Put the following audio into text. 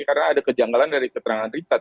karena ada kejanggalan dari keterangan richard